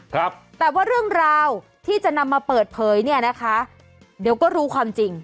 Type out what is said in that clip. ครับแต่ว่าเรื่องราวที่จะนำมาเปิดเผยเนี่ยนะคะเดี๋ยวก็รู้ความจริง